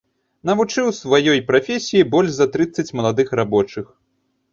Навучыў сваёй прафесіі больш за трыццаць маладых рабочых.